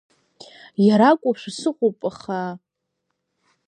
Иара акәушәа сыҟоуп, аха…